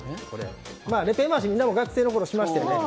ペン回し、みんなも学生のころしましたよね。